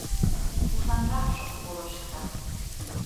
Ушанракшым колыштса